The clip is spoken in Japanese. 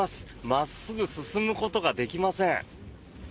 真っすぐ進むことができません。